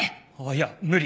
いや無理。